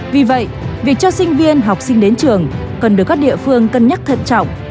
vì vậy việc cho sinh viên học sinh đến trường cần được các địa phương cân nhắc thận trọng